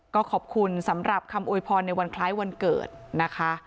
ก็ขอบคุณสำหรับคำโวยพรในวันคล้ายวันเกิดนะคะ